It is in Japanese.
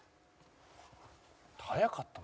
速かったな。